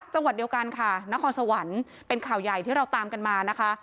จังหวัดเดียวกันค่ะนครสวรรค์เป็นข่าวใหญ่ที่เราตามกันมานะคะ